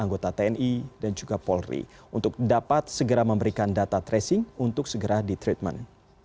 anggota tni dan juga polri untuk dapat segera memberikan data tracing untuk segera di treatment